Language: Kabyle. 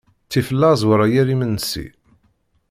Ttif laẓ wala yir imensi.